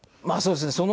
まあそうですね。